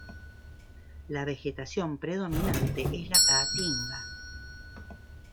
La vegetación predominante es la caatinga.